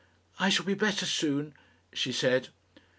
"I shall be better soon," she said.